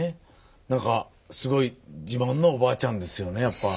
なんかすごい自慢のおばあちゃんですよねやっぱ。